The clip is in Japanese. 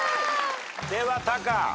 ではタカ。